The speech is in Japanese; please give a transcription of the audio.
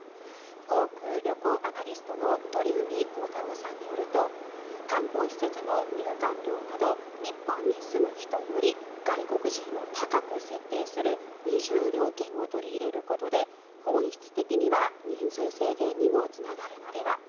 航空・旅行アナリストの鳥海高太朗さんによると観光施設の入館料など日本に住む人より外国人を高く設定する二重料金を取り入れることで、本質的には人数制限にもつながるのでは。